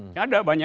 nggak ada banyak